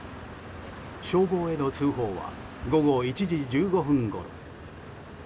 消防への通報は午後１時１５分ごろ。